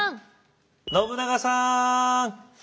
信長さん？